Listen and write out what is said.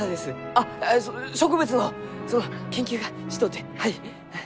あっ植物のその研究がしとうてはい。